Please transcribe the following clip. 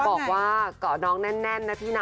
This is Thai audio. บอกว่าเกาะน้องแน่นนะพี่นะ